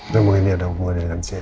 semua ini ada hubungannya dengan sienna